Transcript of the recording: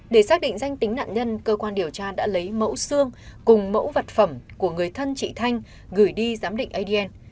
để xác định danh tính nạn nhân cơ quan điều tra đã lấy mẫu xương cùng mẫu vật phẩm của người thân chị thanh gửi đi giám định adn